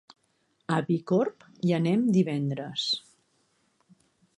A Bicorb hi anem divendres.